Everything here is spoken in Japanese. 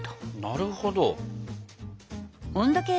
なるほど。